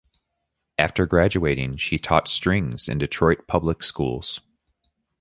After graduating, she taught strings in Detroit public schools.